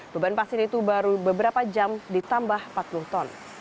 beban pasir itu baru beberapa jam ditambah empat puluh ton